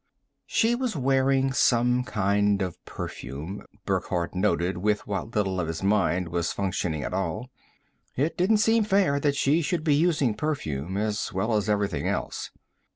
She was wearing some kind of perfume, Burckhardt noted with what little of his mind was functioning at all. It didn't seem fair that she should be using perfume as well as everything else.